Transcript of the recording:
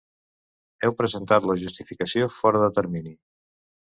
Heu presentat la justificació fora de termini.